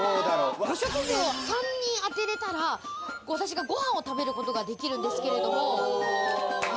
ご職業を３人当てれたら私がご飯を食べることができるんですけれども。